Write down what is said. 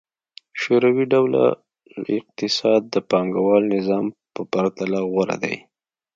شوروي ډوله اقتصاد د پانګوال نظام په پرتله غوره دی.